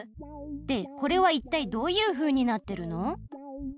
でこれはいったいどういうふうになってるの？